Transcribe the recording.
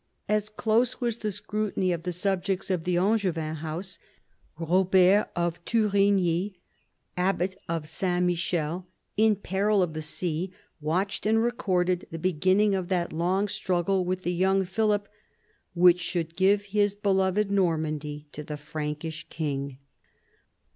As close was the scrutiny of the subjects of the Angevin house. Robert of Torigny, abbat of S. Michael in peril of the sea, watched and recorded the beginning of that long struggle with the young Philip which should give his beloved Normandy to the Frankish king.